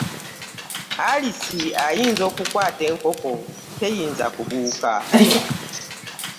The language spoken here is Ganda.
Alisi ayinza okukwata enkoko, teyinza kubuuka.